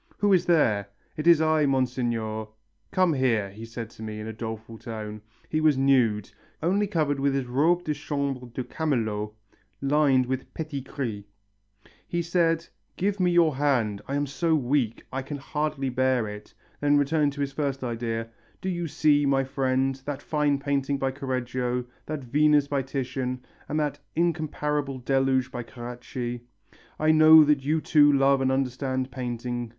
'Who is there?' 'It is I, Monseigneur ' 'Come here,' he said to me in a doleful tone. He was nude, only covered with his robe de chambre de camelot lined with petit gris. He said, 'Give me your hand, I am so weak; I can hardly bear it ' Then returning to his first idea, 'Do you see, my friend, that fine painting by Correggio, that Venus by Titian and that incomparable Deluge by Carracci I know that you too love and understand painting.